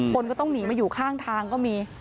คนก็ต้องหนีมาอยู่ข้างทางก็มี